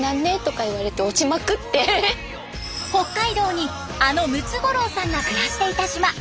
北海道にあのムツゴロウさんが暮らしていた島。